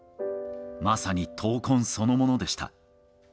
まさに闘魂そのものでした。